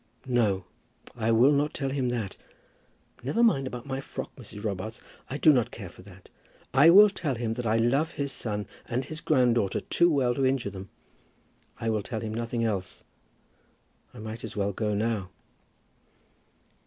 "No, I will not tell him that. Never mind about my frock, Mrs. Robarts. I do not care for that. I will tell him that I love his son and his granddaughter too well to injure them. I will tell him nothing else. I might as well go now."